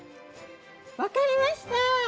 わかりました！